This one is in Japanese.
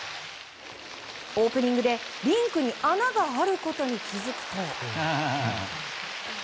オープニングでリンクに穴があることに気づくと。